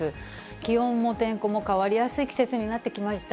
気温も天候も変わりやすい季節になってきました。